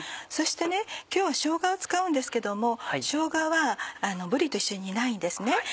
そして今日はしょうがを使うんですけどもしょうがはぶりと一緒に煮ないんです。